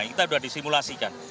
kita sudah disimulasikan